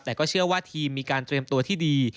แต่ก็เชื่อว่าทีมมีการเตรียมตัวที่ดี